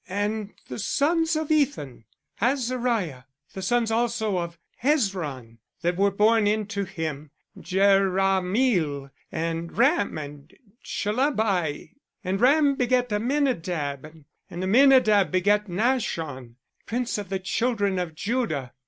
"_And the sons of Ethan; Azariah. The sons also of Hezron, that were born unto him; Jerahmeel, and Ram, and Chelubai. And Ram begat Amminadab; and Amminadab begat Nahshon, prince of the children of Judah.